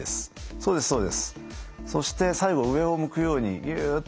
そうですそうです。